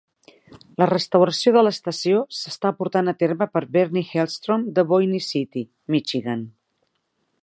La restauració de l'estació s'està portant a terme per Bernie Hellstrom de Boyne City, Michigan.